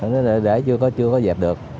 nó để chưa có dẹp được